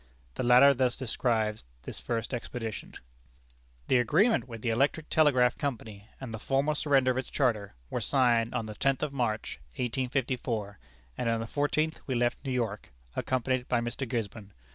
The latter thus describes this first expedition: "The agreement with the Electric Telegraph Company, and the formal surrender of its charter, were signed on the tenth of March, [1854,] and on the fourteenth we left New York, accompanied by Mr. Gisborne.